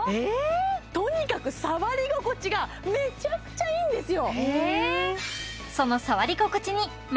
とにかく触り心地がめちゃくちゃいいんですよ